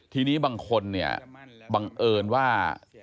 ทีนี้บางคนเนี่ยบังเอิญว่า